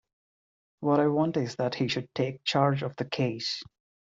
What I want is that he should take charge of the case.